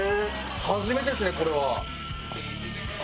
初めてですねこれは。